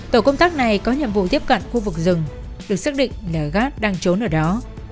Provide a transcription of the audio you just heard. tổ công tác này có nhiệm vụ tiếp cận khu vực rừng được xác định là gác đang trốn ở đó